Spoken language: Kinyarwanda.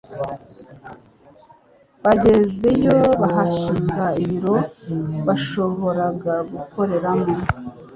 bagezeyo bahashinga ibiro bashoboraga gukoreramo